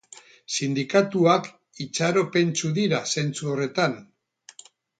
Sindikatuak itxaropentsu dira zentzu horretan.